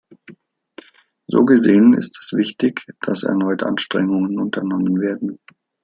So gesehen ist es wichtig, dass erneut Anstrengungen unternommen werden.